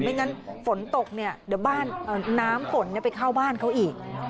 ไม่งั้นฝนตกเนี่ยเดี๋ยวบ้านน้ำฝนไปเข้าบ้านเขาอีก